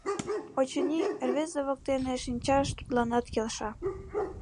Очыни, рвезе воктене шинчаш тудланат келша.